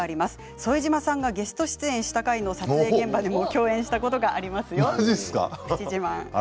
副島さんがゲスト出演した回の撮影現場でも共演したことがありますよ。